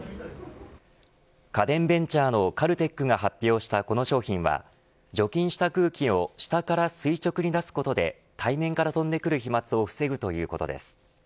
家電ベンチャーのカルテックが発表したこの商品は除菌した空気を下から垂直に出すことで対面から飛んでくる飛まつを防ぐということです。